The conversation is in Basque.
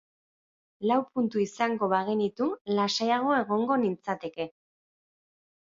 Lau puntu izango bagenitu, lasaiago egongo nintzateke.